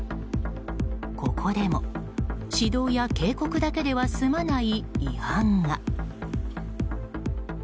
ここでも指導や警告だけでは済まない違反が。